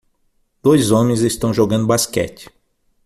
Dois homens estão jogando basquete